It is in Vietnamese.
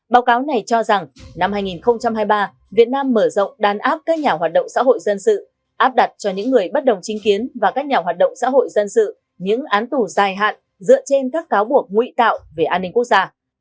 báo cáo này cho rằng năm hai nghìn hai mươi ba việt nam mở rộng đàn áp các nhà hoạt động xã hội dân sự áp đặt cho những người bất đồng chính kiến và các nhà hoạt động xã hội dân sự những án tù dài hạn dựa trên các cáo buộc nguy tạo về an ninh quốc gia